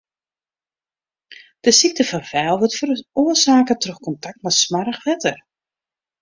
De sykte fan Weil wurdt feroarsake troch kontakt mei smoarch wetter.